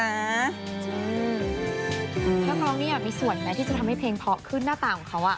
นักร้องนี่มีส่วนไหมที่จะทำให้เพลงเพาะขึ้นหน้าตาของเขา